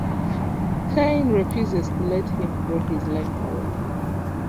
Kaine refuses to let him throw his life away.